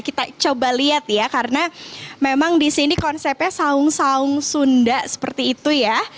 kita coba lihat ya karena memang di sini konsepnya saung saung sunda seperti itu ya